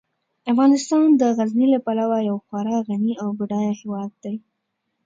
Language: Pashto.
افغانستان د غزني له پلوه یو خورا غني او بډایه هیواد دی.